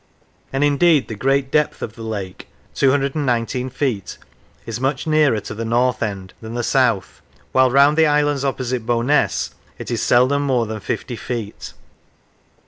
And indeed the greatest depth of the lake (219 feet) is much nearer to the north end than the south, while round the islands opposite B own ess it is seldom more than fifty feet.